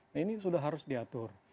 nah ini sudah harus diatur